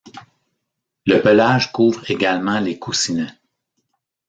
Le pelage couvre également les coussinets.